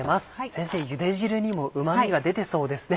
先生ゆで汁にもうまみが出てそうですね。